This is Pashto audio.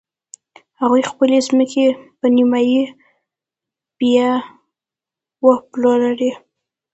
هغوی خپلې ځمکې په نیمايي بیه وپلورلې.